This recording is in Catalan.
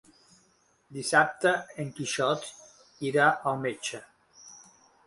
Dissabte en Quixot irà al metge.